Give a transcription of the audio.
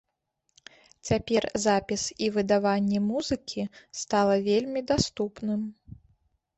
Цяпер запіс і выдаванне музыкі стала вельмі даступным.